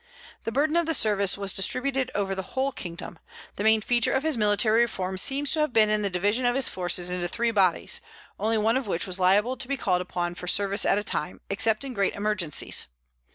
The burden of the service was distributed over the whole kingdom. The main feature of his military reform seems to have been in the division of his forces into three bodies, only one of which was liable to be called upon for service at a time, except in great emergencies.